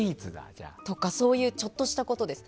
そういうちょっとしたことです。